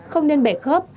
không nên bẻ khớp